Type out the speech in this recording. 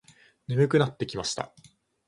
眠くなってきました。